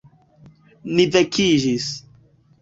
Ni vekiĝis.